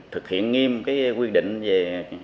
thực hiện nghiêm quy định về